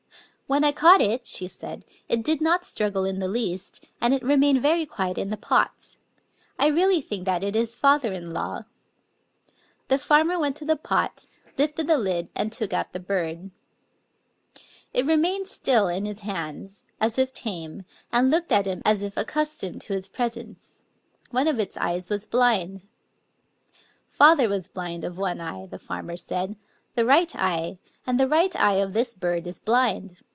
"When I caught it," she said, "it did not struggle in the least; and it remained very quiet in the pot. I really think that it is father in law." The farmer went to the pot, lifted the lid^ and took out the bird. Digitized by Google STORY OF A PHEASANT 67 It remained still in his hands, as if tame, and looked at him as if accustomed to his presence. One of its eyes was blind. Father was blind of one eye," the farmer said, —" the right eye ; and the right eye of this bird is blind.